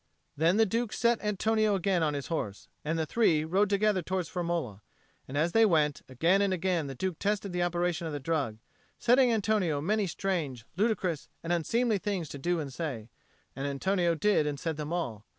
Then the Duke set Antonio again on his horse, and the three rode together towards Firmola, and as they went, again and again the Duke tested the operation of the drug, setting Antonio many strange, ludicrous, and unseemly things to do and to say; and Antonio did and said them all.